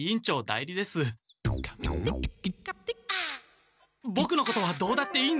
ボクのことはどうだっていいんです。